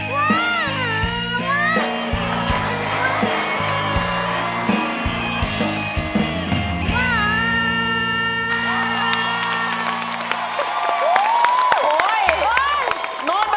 โฮ่ยโน้ตมันสูงอะ